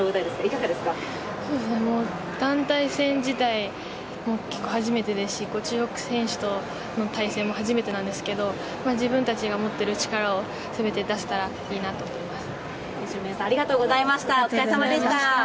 団体戦自体、初めてですし中国選手としての対戦も始めてなんですけれども、自分たちが持ってる力を全て出せたらいいなと思います。